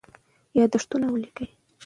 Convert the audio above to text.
یادښتونه ولیکه.